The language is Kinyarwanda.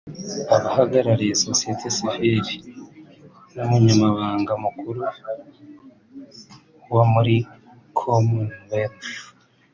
abahagarariye Sosiyete Sivile n’umunyamabanga mukuru wa muri Commonwealth)